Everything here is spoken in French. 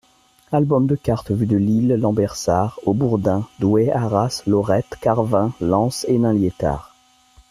Albums de cartes vue de Lille, Lambersart, Haubourdin, Douai, Arras, Lorette, Carvin, Lens, Hénin-Liétard.